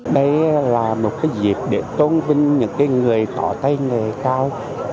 đây là một dịp để tôn vinh những người tỏ tay nghề cao